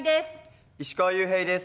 石川裕平です。